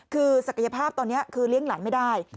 คือศักยภาพตอนนี้คือเลี้ยงหลานไม่ได้